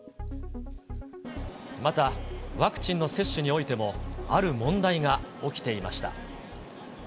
また、ワクチンの接種においてもある問題が起きていました。